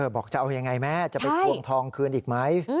บอกจะเอายังไงแม่จะไปทวงทองคืนอีกไหม